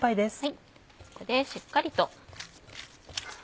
ここでしっかりと。